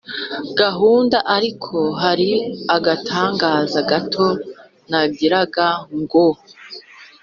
gahunda ariko hari agatangazo gato nagiraga ngo